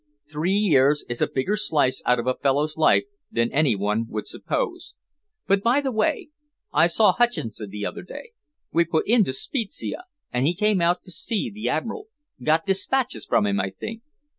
Three years is a bigger slice out of a fellow's life than anyone would suppose. But, by the way, I saw Hutcheson the other day. We put into Spezia, and he came out to see the Admiral got despatches for him, I think.